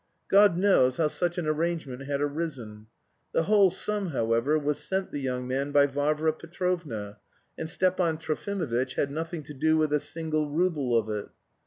God knows how such an arrangement had arisen. The whole sum, however, was sent the young man by Varvara Petrovna, and Stepan Trofimovitch had nothing to do with a single rouble of it.